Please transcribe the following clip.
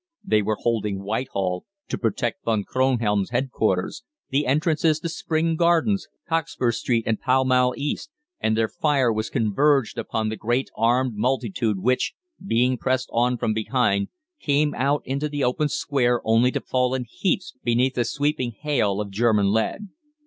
They were holding Whitehall to protect Von Kronhelm's headquarters the entrances to Spring Gardens, Cockspur Street, and Pall Mall East, and their fire was converged upon the great armed multitude which, being pressed on from behind, came out into the open square only to fall in heaps beneath the sweeping hail of German lead.